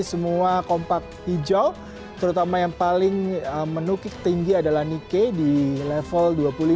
semua kompak hijau terutama yang paling menukik tinggi adalah nikkei di level dua puluh lima lima ratus sembilan puluh delapan